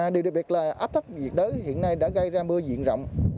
điều đặc biệt là áp thấp nhiệt đới hiện nay đã gây ra mưa diện rộng